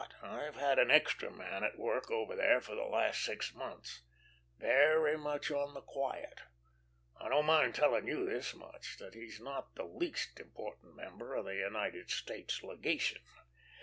But I've had an extra man at work over there for the last six months, very much on the quiet. I don't mind telling you this much that he's not the least important member of the United States Legation.